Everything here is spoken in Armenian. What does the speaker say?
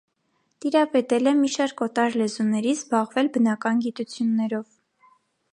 Տիրապետել է մի շարք օտար լեզուների, զբաղվել բնական գիտություններով։